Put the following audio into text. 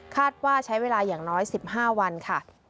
คาดว่าใช้เวลาอย่างน้อยสิบห้าวันค่ะ